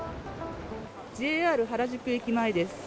ＪＲ原宿駅前です。